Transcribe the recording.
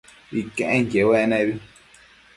Iquenquiec uec nebi